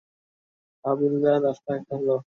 হাবিলদার, রাস্তা খোলো।